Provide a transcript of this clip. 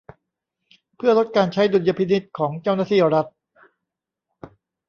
เพื่อลดการใช้ดุลยพินิจของเจ้าหน้าที่รัฐ